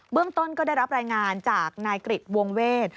เรื่องต้นก็ได้รับรายงานจากนายกริจวงเวท